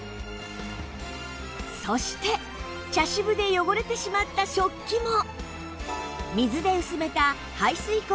そして茶渋で汚れてしまった食器も